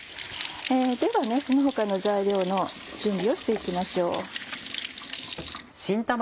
ではその他の材料の準備をしていきましょう。